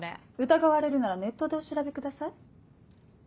疑われるならネットでお調べください。